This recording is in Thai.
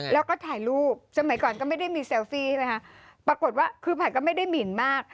แล้วก็ถ่ายรูปสมัยก่อนก็ไม่ได้มีเซลฟี่ใช่ไหมคะปรากฏว่าคือผัดก็ไม่ได้หมินมาก